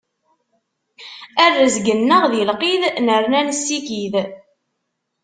A rrezg-nneɣ di lqid, nerna nessikid.